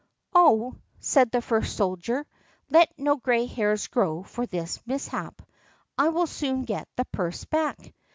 "Oh!" said the first soldier, "let no gray hairs grow for this mishap; I will soon get the purse back."